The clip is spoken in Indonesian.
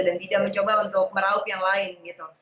dan tidak mencoba untuk meraup yang lain gitu